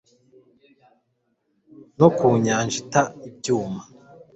No ku nyanja ita ibyuma